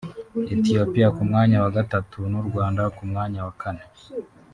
Ethiopia ku mwanya wa gatatu n’u Rwanda ku mwanya wa kane